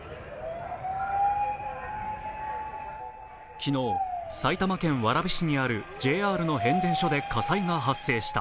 昨日、埼玉県蕨市にあるＪＲの変電所で火災が発生した。